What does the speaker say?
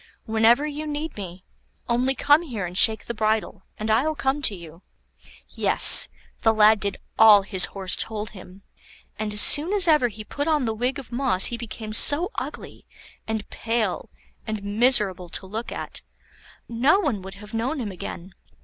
Whenever you need me, only come here and shake the bridle, and I'll come to you." Yes! the lad did all his Horse told him, and as soon as ever he put on the wig of moss he became so ugly, and pale, and miserable to look at, no one would have known him again.